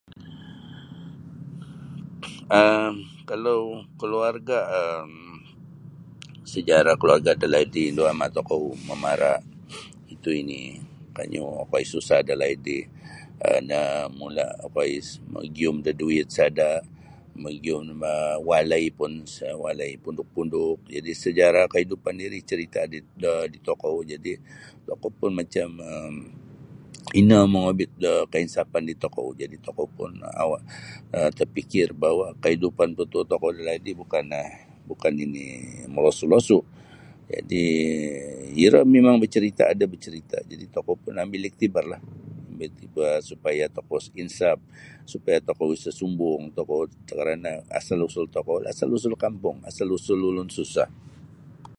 um kalau kaluarga' um sejarah kaluarga' dalaid ri indu ama' tokou mamara' itu ini kanyu okoi susah dalaid ri um na mula' okoi magiyum da duit sada' magiyum um walai pun sa walai punduk-punduk jadi sejarah kaidupan do ri icarita' do tokou jadi' tokou pun macam um ino mongobit da kainsafan di tokou jadi' tokou pun um awat tapikir bahawa kaidupan mututuo tokou bukan nini' molosu'-losu' jadi' iro mimang bacarita' ada' bacarita' jadi' tokou pun ambil iktibarlah ambil iktibar supaya tokou insaf supaya tokou sa' sumbung tokou karana' asal usul tokoulah asal usul kampung asal usul ulun susah.